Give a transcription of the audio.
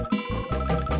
kita ke rumah